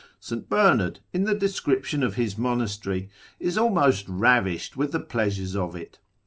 St. Bernard, in the description of his monastery, is almost ravished with the pleasures of it.